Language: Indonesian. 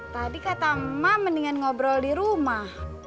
tadi kata ma mendingan ngobrol di rumah